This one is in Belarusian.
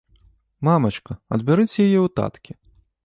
Мамачка, адбярыце яе ў таткі.